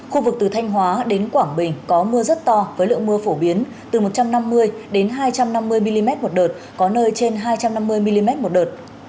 khu vực từ thanh hóa đến quảng bình có mưa rất to với lượng mưa phổ biến từ một trăm năm mươi đến hai trăm năm mươi mm một đợt có nơi trên hai trăm năm mươi mm một đợt